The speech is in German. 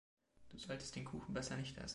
Du solltest den Kuchen besser nicht essen.